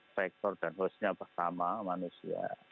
sektor dan hostnya sama manusia